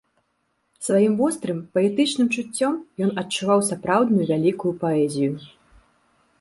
Сваім вострым паэтычным чуццём ён адчуваў сапраўдную вялікую паэзію.